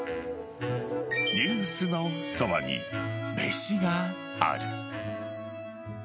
「ニュースのそばに、めしがある。」